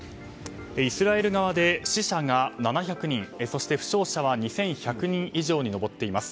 イスラエル側で死者が７００人そして負傷者は２１００人以上に上っています。